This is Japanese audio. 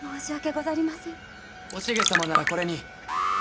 おしげ様ならこれに。